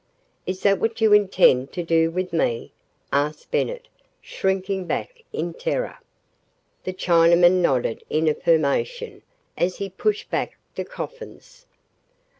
"Is that what you intend to do with me?" asked Bennett, shrinking back in terror. The Chinaman nodded in affirmation as he pushed back the coffins.